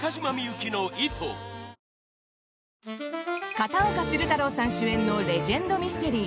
片岡鶴太郎さん主演のレジェンドミステリー